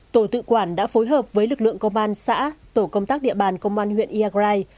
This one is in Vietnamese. tổ tự quản đã phối hợp với lực lượng công an xã tổ công tác địa bàn công an huyện iagrai